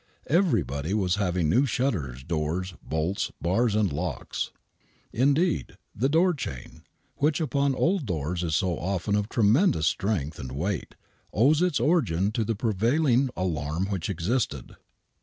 Everybody was having new shutters, doors, bolts, bars and locks. Indeed, the door ohain, which upon old doors is so often of tremendous strength and weight, owes its origin to the prevailing alarm which existed.